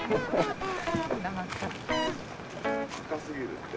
赤すぎるって。